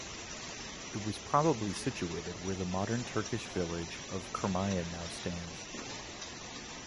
It was probably situated where the modern Turkish village of Kermeyan now stands.